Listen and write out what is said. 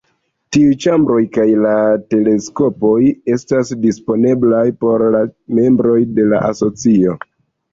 Tiuj ĉambroj kaj la teleskopoj estas disponblaj por la membroj de la asocio.